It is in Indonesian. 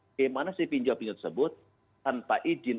bagaimana si pinjol pinjol tersebut tanpa izin